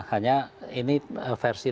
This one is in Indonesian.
hanya ini versi lain